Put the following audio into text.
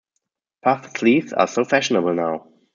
Puffed sleeves are so fashionable now.